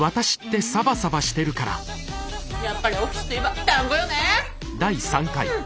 やっぱりオフィスといえばだんごよね！